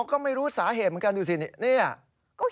ก็ไม่รู้สาเหตุเหมือนกัน